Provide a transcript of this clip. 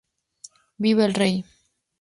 Viva el Rey!.